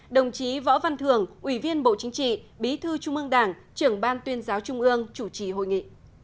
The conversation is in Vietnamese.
đồng chí võ văn thường ủy viên bộ chính trị bí thư trung ương đảng trưởng ban tuyên giáo trung ương chủ trì hội nghị